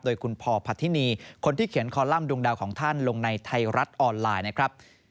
โดยคุณพอพัฒินีคนที่เขียนคอลัมป์ดวงดาวของท่านลงในไทยรัฐออนไลน์นะครับ